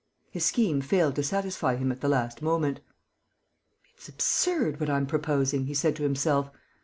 His scheme failed to satisfy him at the last moment. "It's absurd, what I'm proposing," he said to himself.